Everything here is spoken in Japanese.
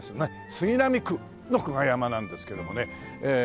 杉並区の久我山なんですけどもねええ